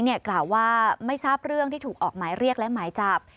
กล่าวว่าไม่ทราบเรื่องที่ถูกออกหมายเรียกและหมายจับ